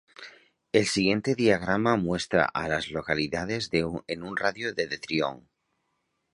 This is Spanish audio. El siguiente diagrama muestra a las localidades en un radio de de Tryon.